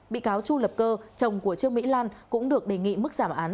bị cáo chu lập cơ chồng của trương mỹ lan cũng được đề nghị mức giảm án